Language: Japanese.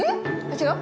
違う？